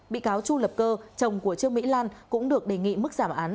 bị cáo chu lập cơ chồng của trương mỹ lan cũng được đề nghị mức giảm án